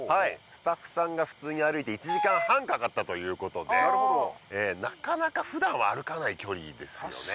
スタッフさんが普通に歩いて１時間半かかったということでなるほどなかなか普段は歩かない距離ですよね